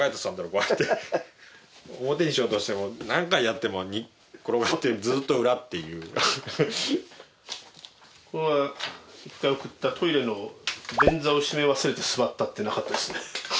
こうやって表にしようとしても何回やっても転がってずっと裏っていうこれは１回送ったトイレの便座を閉め忘れて座ったってなかったですね